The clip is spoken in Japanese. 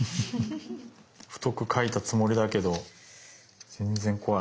太く描いたつもりだけど全然怖い。